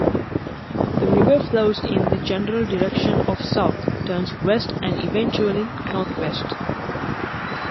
The river flows in the general direction south, turns west, and eventually northwest.